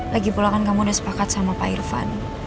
lagi pula kan kamu udah sepakat sama pak irfan